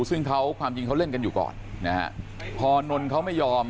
ซึ่งเขาความจริงเขาเล่นกันอยู่ก่อนนะฮะพอนนท์เขาไม่ยอม